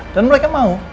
dan mereka mau